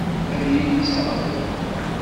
Ad iyi-yesseɣleḍ.